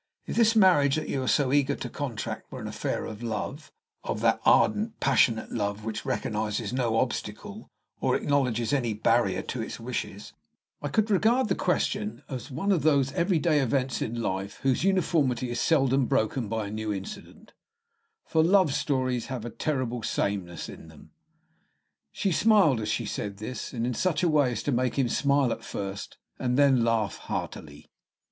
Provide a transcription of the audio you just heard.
If this marriage that you are so eager to contract were an affair of love, of that ardent, passionate love which recognizes no obstacle nor acknowledges any barrier to its wishes, I could regard the question as one of those everyday events in life whose uniformity is seldom broken by a new incident; for love stories have a terrible sameness in them." She smiled as she said this, and in such a way as to make him smile at first, and then laugh heartily.